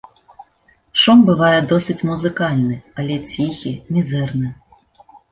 Шум бывае досыць музыкальны, але ціхі, мізэрны.